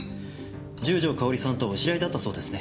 十条かおりさんとはお知り合いだったそうですね。